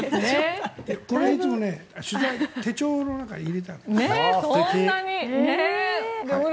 これはいつも手帳の中に入れてある。